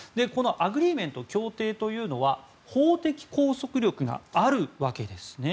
アグリーメント、協定というのは法的拘束力があるわけですね。